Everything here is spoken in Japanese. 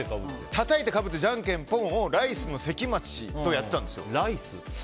たたいてかぶってじゃんけんぽんをライスの関町とやったんです。